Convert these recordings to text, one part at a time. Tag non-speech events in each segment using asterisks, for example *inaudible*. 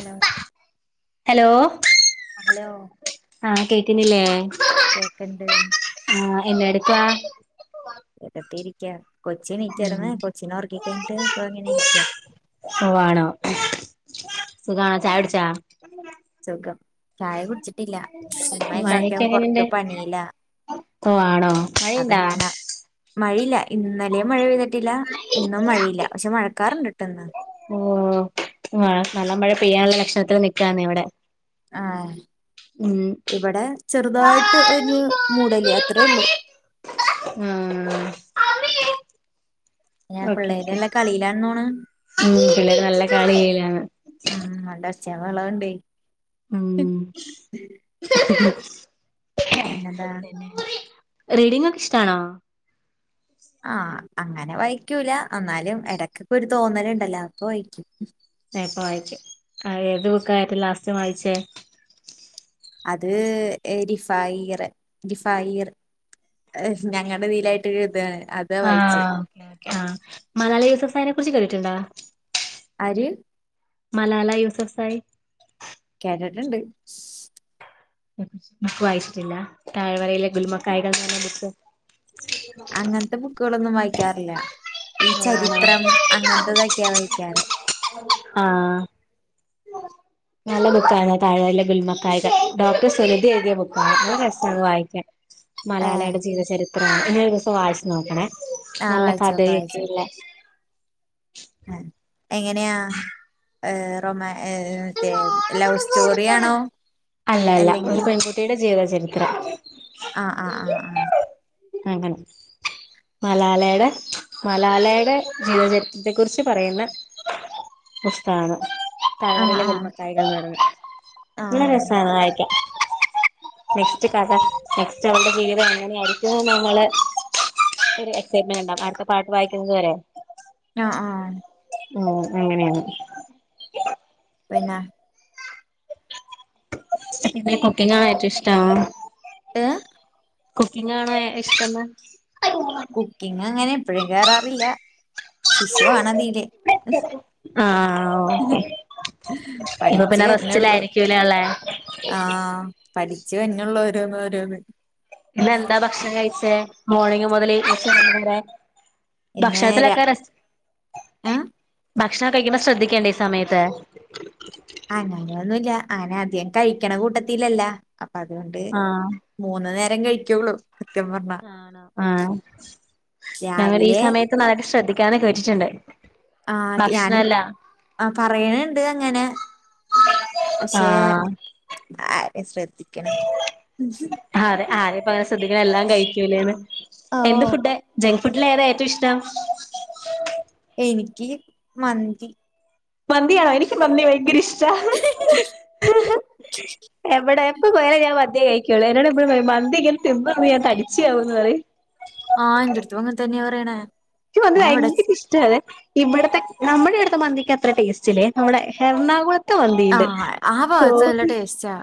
Hello hello hello ആ കേക്ക്നില്ലേ കേക്കണ്ട് ആ എന്ന എടുക്കാ അകത്തിരിക്ക കൊച്ചി ഉം നീറ്റായിര്ന് കൊച്ചീന ഉറക്ക കഴിഞ്ഞിട്ട് ഇപ്പ എങ്ങനെ ഇരിക്ക സുഖണോ ചായകുടിച്ചാ സുഖം ചായ കുടിച്ചിട്ടില്ല അമ്മയിം ആക്ക മഴയൊക്കെ പുറത്ത് എങ്ങനെയുണ്ട് പണിയില്ല ഓ ആണോ അപ്പൊ മഴയുണ്ടാ ഞന മഴയില്ല ഇന്നലേം മഴ പെയ്ത ട്ടില്ല ഇന്നും മഴയില്ല പക്ഷെ മഴ ക്കാർണ്ട് ട്ടോ ന്ന് ഓ മഴ കള്ള മഴ പെയ്യാനുള്ള ലക്ഷണത്തിൽ നിക്കാണ് ഇവിടെ ആ ഉം ഇവിടെ ചെറുതായിട്ട് ആഹ് ഒരു മൂടൽ യാത്രയേ ഉള്ളു ഓക്കെ ഓക്കെ കളിയിലാന്ന് തോന്നുണ് മം പിള്ളേര് നല്ല കളി യിലാണ് ച്ച വളണ്ടേ ച്ച മം പിന്നന്താ റീഡിംഗ് ഒക്കെ ഇഷ്ടണോ ആ അങ്ങനെ വായിക്കൂല എന്നാലും ഇടക്കൊക്കെ ഒരു തോന്നലുണ്ടല്ലോ അപ്പൊ വായിക്കും. പ്പ വായിക്കും ഏത് ബുക്കാ ഏറ്റം ലാസ്റ്റ് വായിച്ചേ അത് ഏരിഫ് ഫയിറെ ഇങ്കി ഫയിർ ഞങ്ങടെ ഇതിയിലായിട്ട് ഒരു ഇത് ആ ആ മലാലാ യൂസഫ് സായിനെക്കുറിച്ച് കേട്ടിട്ടുണ്ടാ ആര് മലാല യുസഫ് സായി കേട്ടിട്ടുണ്ട് ബുക്ക്‌ വായിച്ചിട്ടില്ലാ താഴ്‌വരയിലെ ഗുലുമക്കായ്കൾ അങ്ങനത്തെ ബുക്കുകളൊന്നും വായിക്കാറില്ല ഈ ചരിത്രം അങ്ങനത്തതൊക്കെയാ വായിക്കാറ് ഉ *inaudible* ആ നല്ല ബുക്കായി താഴ്‌വരയിലെ ഗുൽമക്കായികൾ ഡോക്ടർ സുരഭി എഴുതിയ ബുക്കാണ് നല്ല രസാത് വായിക്കാൻ. ഏ മലാലയുടെ ജീവിചരി ത്രാ ഇനി ഒരു ദിവസം വായിച്ച് നോക്കണേ ആ നല്ല വായിച്ചോക്കെ വായിച്ചോക്കെ കഥയൊക്കെല്ലേ ആ എങ്ങനെയാ ഏ റൊമാ *unintelligible* മോളെ സ്റ്റോറി ആണോ അല്ല അല്ല ഒരു അല്ലെങ്കിൽ പെൺകുട്ടിയുടെ ജീ ജീവചരിത്രം ആ ആ ആ ആ അങ്ങനെ മലാലെടെ ജീവചരിത്രത്തെ കുറിച്ച് പറയുന്ന പുസ്തകാണ് ആ താഴ്‌വരയിലെ ആ ഗുൽമക്കായികൾ എന്ന് ആ നല്ല രസാണ് വായിക്കാൻ നെക്സ്റ്റ് കഥ നെക്സ്റ്റ് അവൾട ജീവിതം എങ്ങനെയായിരിക്കുവെന്ന് നമ്മള് ഒരു എക്സൈറ്റ്മെന്റ്ണ്ടാവും അടുത്ത പാർട്ട് വായിക്കുന്നത് വരെ ആ ആ ഉം അങ്ങനെയാണ് പിന്ന പിന്നെ കുക്കിങ്‌ നന്നായിട്ട് ഇഷ്ടാണോ ഏ കുക്കിങ്ങാണോ ഇഷ്ട്ടന്ന് കുക്കിങ് അങ്ങനെ എപ്പഴും കേറാറില്ല ശിശുവാണതില് ആഹ് ഓക്കെ ഇപ്പൊ പഠിച്ചു പിന്നെ വരുന്നേള്ളു റെസ്റ്റിലായിരിക്കൂലേ ഉള്ളേ ആ പഠിച്ചു വന്നോളു ഓരോന്നോരോന്ന് ഇന്നെന്താ ഭക്ഷണം കഴിച്ചേ മോർണിംഗ് മുതല് ഈ സമയം വരെ ഇന്നേര ഭക്ഷണത്തിലൊക്കെ റെസ് ആ ഭക്ഷണം കഴിക്കുമ്പോ ശ്രദ്ധിക്കേണ്ടേ ഈ സമയത്ത് അങ്ങനൊന്നുല്ല അങ്ങന അധികം കഴിക്കണ കൂട്ടത്തിലല്ലാ അപ്പൊ അതുകൊണ്ട് ആഹ് മൂന്ന് നേരം കഴിക്കോള്ളൂ ആണോ ആഹ ഞങ്ങൾ ഈ രാവിലെ സമയതോനന്നും ശ്രദ്ധിക്കറില്ല ഇതൊക്കെയാണ് ചോദിച്ചിട്ടുള്ള ആ ഞാനും ആ പറയണയിണ്ട് അങ്ങനെ ആ പക്ഷെ ആര് ശ്രദ്ധിക്കണ് അതെ ആര് ആരയിപ്പോ അങ്ങനെ ശ്രദ്ധിക്കണം എല്ലാം കഴിക്കൂലേന്ന് എന്ത്‌ ഓഹ് ഫുഡാ ജങ്ക് ഫുഡ്‌ ഫുഡിൽ ഏതാ ഏറ്റവും ഇഷ്ടം എനിക്ക് മന്തി മന്തിയാണോ എനിക്കും മന്തി ഭയങ്കര ഇഷ്ട്ടാ എവടെ എപ്പോ പോയാലും ഞാൻ മന്തിയേ കഴിക്കുള്ളൂ എന്നോട് എപ്പഴു പറയും മന്തി ഇങ്ങനെ തിന്ന് ഞാൻ തടിച്ചിയാവുന്ന് പറയും ആഹ് എന്റടുത്തും അങ്ങനെ തന്നെയ പറയണേ എനിക്ക് മന്തി ഞാൻ ഇവിടെ ഭയങ്കര ഇഷ്ട്ടയാണ് ഇവിടെത്തെ- നമ്മുടെവടേത്തെ മന്തിക്ക് അത്ര ടേസ്റ്റ്ല്ലേ നമ്മുടെ എറണാകുളത്തെ എറണാകുളത്തെ ആഹ് ആ മന്തിയുണ്ട് ഭാഗത്ത് നല്ല ടേസ്റ്റാ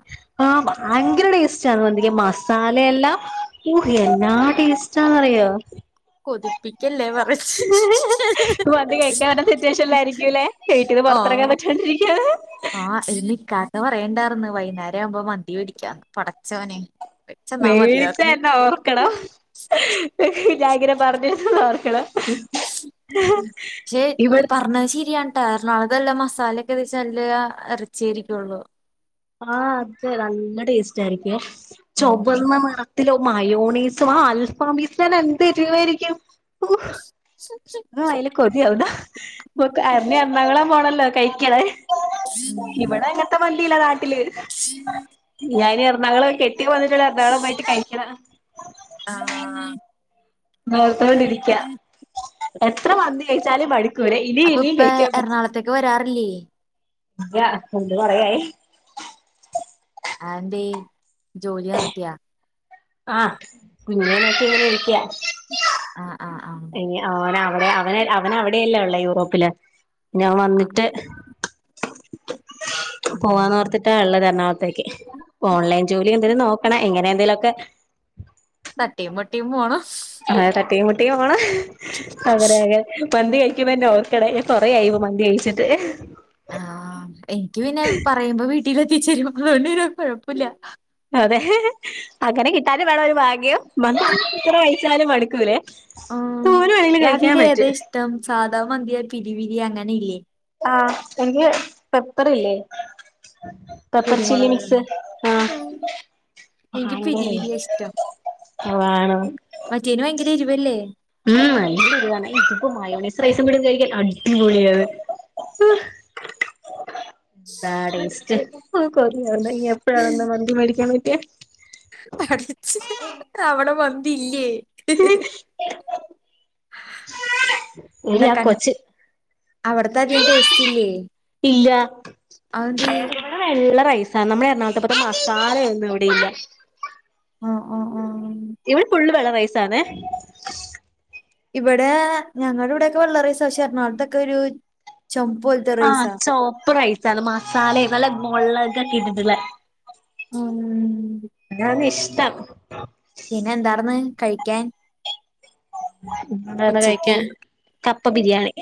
ആ ഭയങ്കര ടേസ്റ്റേയാണ് മന്തിക്ക്- ഈ മസാലയെല്ലാം ഓ എന്നാ ടേസ്റ്റെയ അറിയോ കൊതിപ്പിക്കല്ലേ പറഞ്ഞിട്ട് മന്തി കഴിക്കാൻ പറ്റാത്ത സിറ്റുവേഷനിലായിരിക്കൂല്ലേ വീട്ടീന്ന് ഓ പുറത്തിറങ്ങാൻ പറ്റാണ്ടിരിക്കാണ് ആ ഇഛെ ഛേ പറയണ്ടായിരിന്നു വൈകുനേരം വൈകുന്നേരയാവുമ്പോ മന്തി വേടിക്കാം പടച്ചോനെ മേടിച്ചന്നാ മേടിച്ച മതിയാർന്ന് എന്നെ ഓർക്കണം ഞാനിങ്ങനെ പറഞ്ഞിരുന്നു പറഞ്ഞി പക്ഷെ ഇവിടെ പറഞ്ഞത് ശരിയാണ് എറണാംകുളത്തു നല്ല മസാലോക്കെ തേച്ച നല്ല ഇറച്ചിയായിരിക്കുള്ളൂ ആഹ് അത്‌ നല്ല ടേസ്റ്റ് ആയിരിക്കും ചൊവ്വന്ന ഉം. നിറം അതിലെ മയോണീസും ആ അൽഫാപീസ് തന്നെ എന്ത് എരിവായിരിക്കും *unintelligible* വായിൽ കൊതിയാവുന്നു *unintelligible* എറണാകുളം പോണല്ലോ കഴിക്കണെ ഇവിടെ അങ്ങനത്തെ മനു യില്ലതാനും യില്ലേ ഞാനും ഈ ഇറ *unintelligible* ളോക്കെ ഇക്കാ വന്നിട്ട് വേണം എറണാകുളം പോയിട്ട് കഴിക്കണം ആ ആ ഓർത്തുക്കൊണ്ട് ഇരിക്കാം എത്ര മന്തി കഴിച്ചാലും മടി അപ്പൊ ഇപ്പ എറണാകുളത്തേക്ക് വരാറില്ലേ ഇല്ലാ വന്നിട്ട് കുറേയായി അതെന്തേ ജോലി നിർത്തിയ ആഹ് കുഞ്ഞിനേ നോക്കി ഇങ്ങനെ ഇരിക്കാ ആ ഇനി ആ നാ അടെ അവന് അവന് അവിടെയല്ലേ ഉള്ളെ യൂറോപ്പില് ഞാൻ ആഹ് വന്നിട്ട് ഉം പോവാന്നോർത്തിട്ടാ ഇള്ളത് എറണാകുള ത്തേക്ക് ഓൺലൈൻ ജോലി എന്തേലും നോക്കണം ഇങ്ങനെ എന്തേലുമൊക്കെ തട്ടിം മുട്ടിം പോണം ആഹ് തട്ടീം മു ട്ടീം പോണം അങ്ങനെ അങ്ങനെ മന്തി കഴിക്കുമ്പോ എന്നെ ഓർക്ക് *unintelligible* കുറേയായി ഇപ്പൊ മന്തി കഴിച്ചിട്ട് ആ എനിക്ക് പിന്നെ പറയുമ്പോ വീട്ടില ത്തിച്ചേരും അതോണ്ട് പിന്നെ കുഴപ്പല്ല അതെ അങ്ങനെ കിട്ടാനും വേണം ഒരു ഭാഗ്യം. മ എത്ര വയസ്സായാലും മടു ക്കൂലെ ആ അതില ഏതാ ഇഷ്ടം സാധാ മന്തിയാ പിരി പിരി ഇ അങ്ങനെ ഇല്ലേ ആ ഇന്ക് പെപ്പർ ഇല്ലേ കുരുമുളക് ആഹ് ഇന്ക് പിരി പിരിയാ ഇഷ്ടം ആ ആണോ മറ്റേന് വയങ്കര എരിവല്ലേ ഉം നല്ല എരിവാണ് ഇപ്പോ മയോണൈസും റൈസും കൂട്ടി കഴിക്കാൻ അടി പോളിയാണ് താണീസ് *unintelligible* ഇനി എപ്പഴാനാണതോ മന്തി മേടിക്കാൻ പറ്റ എ പഠിച്ച് അവിടെ വന്ന് തിലെ എടി ആ കൊച്ച് എന്താക്കാൻഅവിടത്തെതിന്റെ ടേസ്റ്റ് ഇല്ലെ ഇല്ല അതെന്തി റൈസ നമ്മളെ എറണാകളത്തെ പോലെ മസാലയൊന്നും ഇവിടെയില്ല അ ആ ഇപ്പോ നല്ല വയസാണേ ഇവിടെ ഞങ്ങളുടെകെ *unintelligible* പക്ഷേ എറണാകുളത്തൊക്കൊരു ങാ ചോപ്പ്റയി ച മസാലേം നല്ല മൊളകൊക്കെ ഇട്ടിട്ട്ള്ള ഉം താണ് ഇഷ്ടം പിന്നെ എന്താർന്ന് കഴിക്കാൻ പിന്നെന്താണ് ഉച്ചക്ക് കയിക്കാൻ ക പ്പ ബിരിയാണി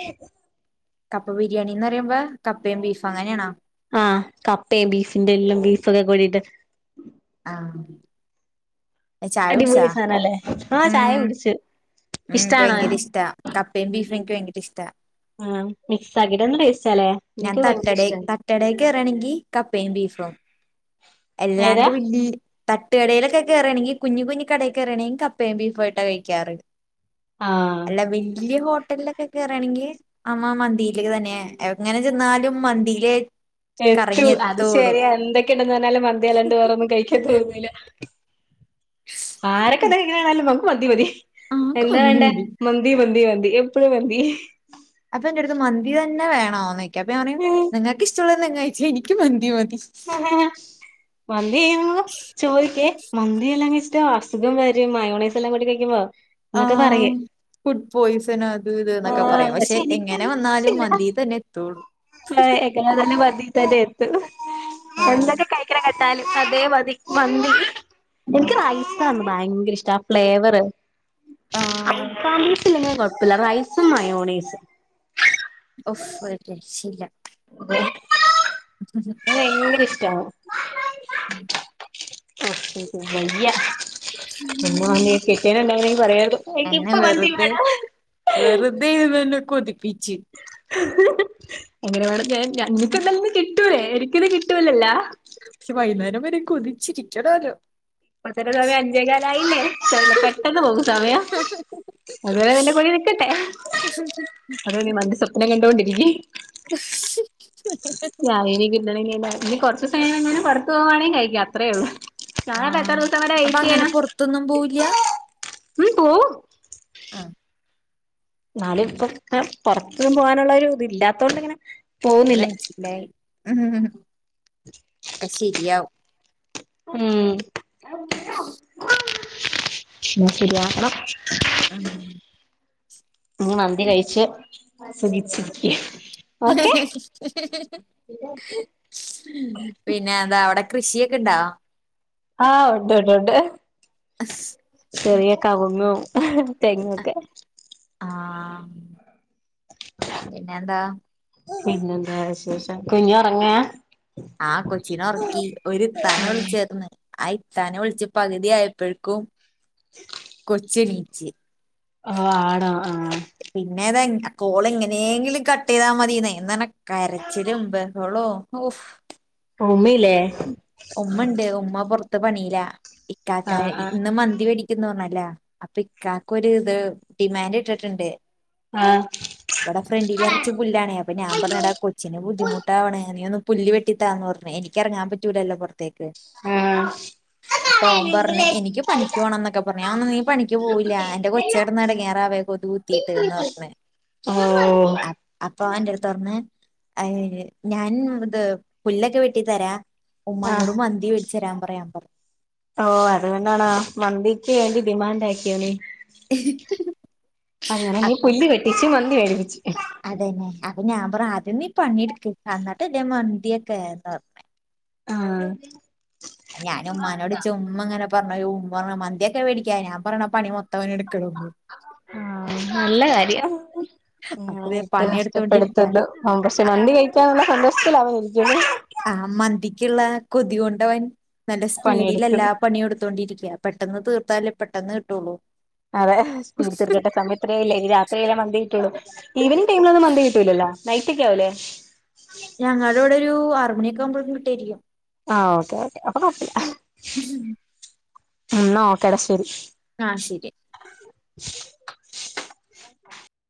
കപ്പ ബിരിയാണിന്ന് പറയുമ്പോ കപ്പയും ബീഫും അങ്ങനെയാണോ ആ കപ്പയും ബീഫിന്റെ എല്ലം ബീഫൊക്കെ കൂടിട്ട് ആ അടിപൊളി സാധനല്ലേ ആ ചായ കുടിച്ചു മം നിക്ക് ഇഷ്ടാണോ ഭയങ്കര ഇഷ്ടാ കപ്പയും ബീഫും എനിക്ക് ഭയങ്കര ഇഷ്ടാ ആഹ് മിക്സ് ആക്കിട്ട്ന്ന ടേസ്റ്റാല്ലേ ഞാൻ എനിക്ക് ഭയങ്കര തട്ടടേ ഇഷ്ടാണ് തട്ടടേ കയറാണെങ്കി കപ്പയും ബീഫും ഏതാ എല്ലാണ്ട് വല്ലി തട്ടുകടയിലൊക്കെ കയറുവാണെങ്കിൽ കുഞ്ഞ് കുഞ്ഞിക്കടയിൽ കയറുവാണെങ്കിൽ കപ്പയും ബീഫും ആയിട്ട് കഴിക്കാറ് ആഹ് അല്ല വല്യ ഹോട്ട ഹോട്ടലിലൊക്കെ കേറാണെങ്കി അമ്മ മന്തിയിലേ തന്നെയ എങ്ങനെ ചെന്നാലും മന്തിയിലെ എത്തു അത് ശേരിയാ എന്തെക്കെണ്ടേന്ന് പറഞ്ഞാ നല്ല മന്ത്യ എലണ്ടോറൊന്നും കഴിക്ക തോന്നില്ല ആരൊക്കെ എന്തെങ്കി ഇങ്ങനെണില്ലപ്പം മന്തി മതി ആ എന്താ മന്തി വേണ്ടെഹ് മതി മന്തി മന്ത മന്തി മന്തി എപ്പയും മന്തി അപ്പൊ ഇന്റെട്ത്ത് മന്തി തന്നെ വേണോന്നെ ക്കെപ്പം ഞാ പറിം നിങ്ങക്ക് ഇഷ്ടള്ളഹ് ചെങ്ങ്യായ്ച്ച ഇനിക്കും മന്തി മതി *inaudible* മന്തി അങ്ങളും ചോയ്ക്കെ മന്തിയെല്ലാം കഴിച്ചിട്ടാ അസുഖം വരും മയോണൈസ് എല്ലാം കൂട്ടി കഴിക്കുമ്പോ എന്നൊക്കെ ആഹ് പറയും ഫുഡ് പോയ്സനോ അത് ഇത് എന്നൊക്കെ ആഹ് പറയും പക്ഷെ എങ്ങനെ എനിക്കതൊന്നും വന്നാലും ഇഷ്ടല്ല മന്തി തന്നെ എത്തൊള്ളൂ തരേത്തഹ് എന്തൊക്കെ കഴിക്കിണെങ്ങ അതേ മതി മന്തി എനിക്ക് റൈസാണ് ഭയങ്കര ഇഷ്ട ആ ഫ്ലേവറ് *unintelligible* ആഹ് കുഴപ്പമില്ല റൈസും മയനൈസും ഉഫ് ഒരു രക്ഷയില്ല *unintelligible* *unintelligible* റ്റാണ് വയ്യ ഉമ്മ അനിയത്തിക്കണേ ഉണ്ട പറയ എന്നെ വെറുതെ വെറുതെ ഇവൾ കൊതിപ്പി ച് അങ്ങനെ വേണം ഞാൻ ഞങ്ങള്ക് ഇന്ന് കിട്ടി കിട്ടൂലേ ഒരിക്കലും കിട്ടൂലല്ലോ പക്ഷെ വൈകുന്നേരം കൊതിച്ചിരിക്കണല്ലോ ഇപ്പതാണേ സമയം അഞ്ചേകാലായില്ലേ ഇന്ഷാ അൽഹാ പെട്ടെന്ന് പോകും സമയം അത് വേറെ എന്റെ കൊതി നിൽക്കട്ടെ അത് കൊണ്ട് മന്തി സ്വപ്ന സ്വപ്നം കണ്ടൊണ്ടിരിക്കി *unintelligible* *unintelligible* ഇനി കൊറച്ചിസം കഴിഞ്ഞാൽ പുറത്ത് പോകുകവാണെങ്കൽ കഴിക്ക അത്രേള്ളൂ ആഹ് അപ്പൊ അങ്ങനെ പൊറത്തൊന്നും പോവില്യ ഉം പോവും നാലും ഇപ്പൊ *unintelligible* പുറത്തനിന്ന് പോകാനുള്ള ഒരു ഇത് ഇല്ലാത്ത കൊണ്ടിങ്ങനെ അത് മനിച്ചിലായി ഉഹ് ഹ് ഹ് ആ ശരിയാവും ഉം ആ ശര്യാക്കണം ആ ഇനി മന്തി കഴിച്ച് സുഖിചിരിക്ക് പിന്നെ എന്താ അവടെ കൃഷിയൊക്കെ ഇണ്ടാ ആ ഒണ്ട് ഒണ്ട് ഒണ്ട് ചെറിയ കവുങ്ങും ഹഅ തെങ്ങോക്കെ ആ പിന്നെ എന്താ പിന്നെന്താ വിശേഷം കുഞ്ഞു ഉറങ്ങാ ആ കൊച്ചിനെ ഒറക്കി ഒര് ത്താനെ വിളിച്ചെന്ന് ആയി ഇത്താനെ വിളിച്ച് പകുതിയപ്പോഴെക്കും കൊച്ചെണി ച്ച് ആ ആണോ ആഹ് പിന്നെതെ കോള് എങ്ങനെങ്കിലും കട്ട് ചെയ്താ മതിന്നൊയി എന്ന് കരച്ചിലും ബേഹാളോം ഓഫ് ഉമ്മിയില്ലേ ഉമ്മ ഒണ്ട് ഉമ്മ പെറത്ത് ത്ത് പണിലാ ഇക്കാക്കായ് ആഹ് ഇന്ന് മന്തി വേടി *unintelligible* പറഞ്ഞല്ലേ അപ്പൊ ഇക്കാക്കും ഒരു ഇത് ഡിമാൻഡ് ഇട്ടിട്ടുണ്ട് ആഹ് ഇവിടെ ഫ്രണ്ടിൽ നറച്ച് പുല്ലാണേ അപ്പൊ ഞാൻ പറഞ്ഞടാ കൊച്ചിന് ആഹ് ബുദ്ധിമുട്ടാവണ നീയൊന്ന് പുല്ല് വെട്ടിത്താന്ന് പറഞ്ഞു എനിക്കിറങ്ങാൻ *unintelligible* റ്റുല്ലല്ലൊ ത്തേക്ക്, ഓ അപ്പൊ ഓൻ പറഞ്ഞ് എനിക്ക് പണിക്ക് പോണംന്നൊക്കെ പറഞ്ഞ് നീ പണിക്ക് പോവൂല്ല എന്റെ കൊച്ചടന്ന് ഇടങ്ങാറാവ്വ കൊതു കുത്തീട്ട്ന്ന് പറഞ്ഞ, അപ്പൊ ഓഎന്റടുത്തു പറഞ്ഞ *unintelligible* ഞാൻ ഇത് പുല്ലൊക്കെ വെട്ടി തരാ ആഹ് ഉമ്മാനോട് മന്തി വേടി ച്ച് തരാംപറയാൻ പറഞ്ഞു ഓ അതുകൊണ്ടാണോ മന്തിക്ക് വേണ്ടി ഡിമാൻഡ് ആക്കിയോനി. അങ്ങനെ നീ അപ്പൊ പുല്ല് വെട്ടിച്ച് മന്തി വേടി ആച്ചി അതന്നെ അത്ഞാ പറ ആദ്യം നീ പണിയെടുക്ക് അന്നിട്ടല്ലേ മന്തിയൊക്കേന്നുപറഞ്ഞു. ആ ഞാനുമ്മാനോട് ചുമ്മാങ്ങനെ പ് പറഞ്ഞു ഉമ്മാറഞ്ഞു മന്തിയക്കെ മേടിക്കാ ഞാൻ പറേണ പണി മൊ ത്ത വനെടുക്കണം നല്ല കാര്യം. അപ്പൊ ഉം ദേ ഇട്ട് പണിയെടുത്തോണ്ടിരിക്ക നഷ്ടപ്പെടുത്തത് ഉം പക്ഷെ മന്തി കഴിക്കാനുള്ള സന്തോഷത്തിലാണ് *unintelligible* ആ മന്തിക്കുള്ള കൊതി കൊണ്ടവൻ നല്ല സ്പീഡിൽ എല്ലാ പണിയെടുക്കുന്നു പണിയു എടുത്തോണ്ടിരിക്ക്വ പെട്ടെന്ന് തീർത്താല് പെട്ടെന്ന് കിട്ട്വോള്ളൂ. അതെ സ്പീഡിതീർക്കട്ടെ സമയത്രെയായില്ലേ ഇനി രാത്രിയായാല് മ ന്തി കിട്ടൊള്ളു ഈവനിംഗ് ടൈമിലൊന്നും മന്തി കിട്ടൂല്ലല്ലോ? നൈറ്റക്കെയാവൂല്ലേ? ഞങ്ങടിവിടൊരു ആറു മണിയൊക് ഒക്കെ ആവുമ്പോഴക്കും കിട്ടുമായിരിക്കും ആ ഓക്കെ ഓക്കെ അപ്പം കൊഴപ്പില്ല. *inaudible* ന്നാ ഓക്കെ ടാ ശരി. ആ ശരി *unintelligible*